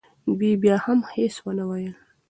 دې بیا هم هیڅ ونه ویل.